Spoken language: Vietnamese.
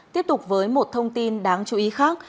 tiếp tục với một thông tin đáng chú ý khác